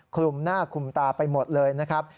คลุมหน้าคลุมตาไปหมดเลยนะครับ